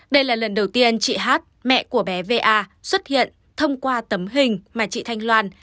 đây là lần đầu tiên chị hát mẹ của bé va xuất hiện thông qua tấm hình mà chị thanh loan